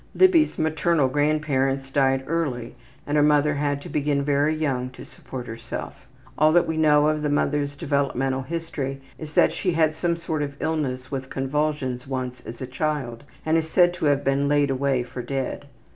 Libby's maternal grandparents died early and her mother had to begin very young to support herself. All that we know of the mother's developmental history is that she had some sort of illness with convulsions once as a child and is said to have been laid away for dead.